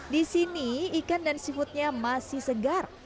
di sini ikan dan seafoodnya masih segar